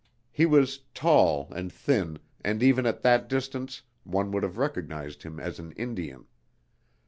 He was tall, and thin, and even at that distance one would have recognized him as an Indian.